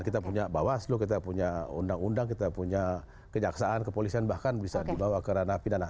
kita punya bawaslu kita punya undang undang kita punya kejaksaan kepolisian bahkan bisa dibawa ke ranah pidana